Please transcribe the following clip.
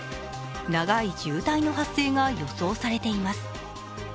長い渋滞の発生が予想されています。